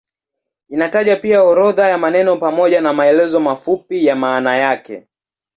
Inataja pia orodha ya maneno pamoja na maelezo mafupi ya maana yake.